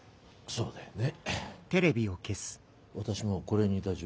そうよね。